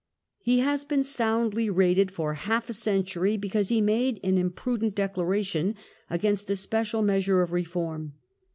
He has been soundly rated for half a century because he made an imprudent declaration against a special measure of reform.